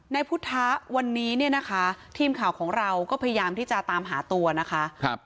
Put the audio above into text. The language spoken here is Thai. นายพุทธะวันนี้เนี่ยนะคะทีมข่าวของเราก็พยายามที่จะตามหาตัวนะคะ